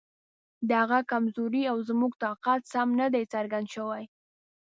د هغه کمزوري او زموږ طاقت سم نه دی څرګند شوی.